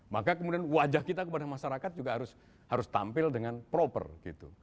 maka kemudian wajah kita kepada masyarakat juga harus tampil dengan proper gitu